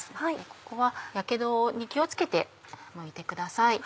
ここはヤケドに気を付けてむいてください。